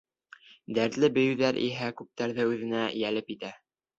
Дәртле бейеүҙәр иһә күптәрҙе үҙенә йәлеп итә.